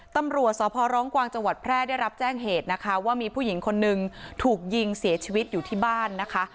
ตำรวจสพร้องกวางจังหวัดแพร่ได้รับแจ้งเหตุนะคะว่ามีผู้หญิงคนนึงถูกยิงเสียชีวิตอยู่ที่บ้านนะคะ